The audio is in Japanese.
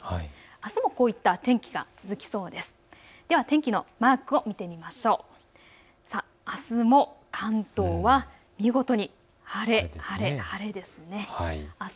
あすもこういった天気が続きそうです。